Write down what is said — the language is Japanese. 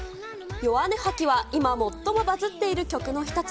ヨワネハキは今最もバズっている曲の一つ。